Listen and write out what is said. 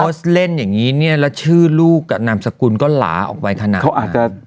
พี่โพสเล่นแล้วชื่อลูกแบบน้ำาสกุลก็หล่าออกไปขนาดนั้น